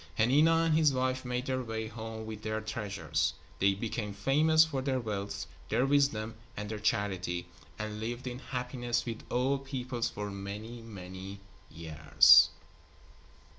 Hanina and his wife made their way home with their treasures. They became famous for their wealth, their wisdom and their charity, and lived in happiness with all peoples for many, many years.